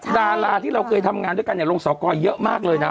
ดาราที่เราเคยทำงานด้วยกันเนี่ยลงสอกรเยอะมากเลยนะ